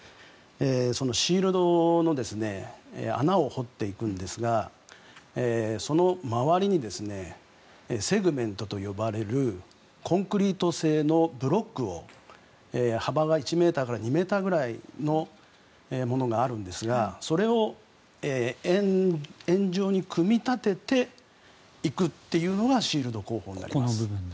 そのシールドの穴を掘っていくんですがその周りにセグメントと呼ばれるコンクリート性のブロックを幅が１ｍから２ｍのものがあるんですがそれを円状に組み立てていくのがシールド工法になります。